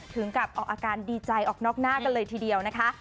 ถึงกับออกอาการดีใจออกนอกหน้ากันเลยทีเดียวนะคะ